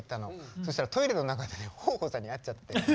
そしたらトイレの中でね豊豊さんに会っちゃって。